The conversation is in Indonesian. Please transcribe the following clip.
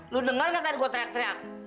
lu denger gak tadi gue teriak teriak